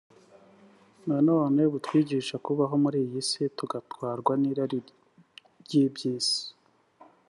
nanone butwigisha kubaho muri iyi si tudatwarwa n’irari ry’iby’isi